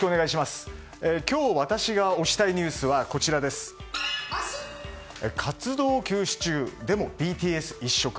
今日私が推したいニュースは活動休止中でもＢＴＳ一色。